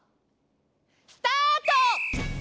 スタート！